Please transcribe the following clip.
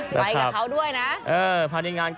ไปกับเขาด้วยนะ